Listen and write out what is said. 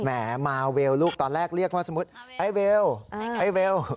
แหมมาเวลลูกตอนแรกเรียกว่าสมมุติไอ้เวลไอ้เวล